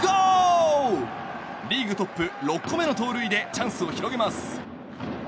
リーグトップ６個目の盗塁でチャンスを広げます。